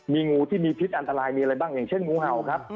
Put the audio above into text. มีงูที่มีพิษอันตรายอย่างเช่นงูเห่าครับ